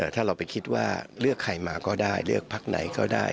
ถ้าเราไปคิดว่าเลือกใครมาก็ได้เลือกพักไหนก็ได้